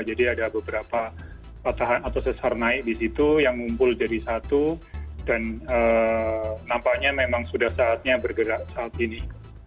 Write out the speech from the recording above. jadi ada beberapa patahan atau sesar naik di situ yang ngumpul dari satu dan nampaknya memang sudah saatnya bergerak saat ini